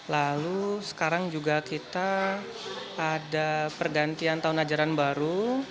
lalu sekarang juga kita ada pergantian tahun ajaran baru